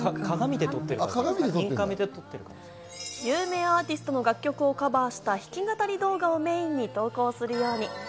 有名アーティストの楽曲をカバーした弾き語り動画をメインに投稿するように。